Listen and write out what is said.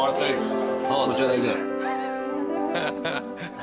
ハハハハ。